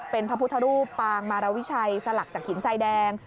เป็นพระพุทธรูปปางมารวิชัยสลักจากหินทรายแดง